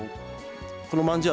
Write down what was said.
このまんじゅう